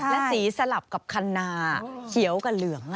และสีสลับกับคันนาเขียวกับเหลือง